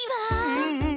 うんうん！